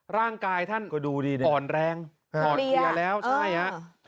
ร่างกายท่านก็ดูดีอ่อนแรงอ่อนเพลียแล้วใช่ฮะ